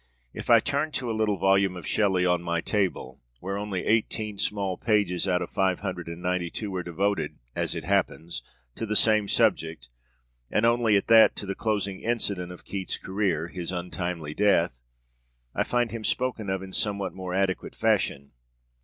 If I turn to a little volume of Shelley on my table, where only eighteen small pages out of five hundred and ninety two are devoted, as it happens, to the same subject, and only at that to the closing incident of Keats's career, his untimely death, I find him spoken of in somewhat more adequate fashion.